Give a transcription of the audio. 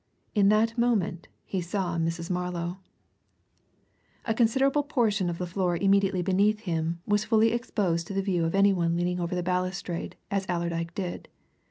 In that moment he saw Mrs. Marlow. A considerable portion of the floor immediately beneath him was fully exposed to the view of any one leaning over the balustrade as Allerdyke did.